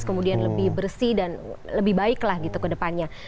kemudian lebih bersih dan lebih baik lah gitu kedepannya